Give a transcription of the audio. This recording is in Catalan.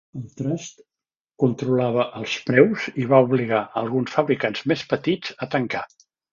El trust controlava els preus i va obligar alguns fabricants més petits a tancar.